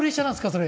それ。